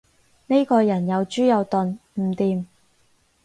呢個人又豬又鈍，唔掂